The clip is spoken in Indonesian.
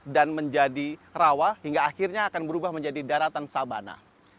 dan menjadi rawa hingga akhirnya akan berubah menjadi daratan sabana